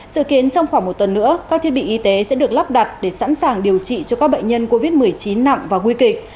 sự kiến trong khoảng một tuần nữa các thiết bị y tế sẽ được lắp đặt để sẵn sàng điều trị cho các bệnh nhân covid một mươi chín nặng và nguy kịch